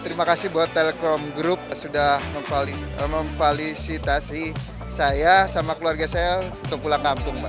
terima kasih buat telkom group sudah memvalisitasi saya sama keluarga saya untuk pulang kampung mbak